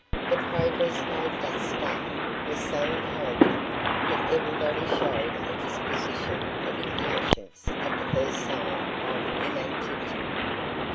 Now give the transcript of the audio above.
The progress made thus far was so encouraging that everybody showed a disposition of impatience at the first sign of inactivity.